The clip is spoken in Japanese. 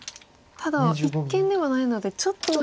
ただ一間ではないのでちょっと間が。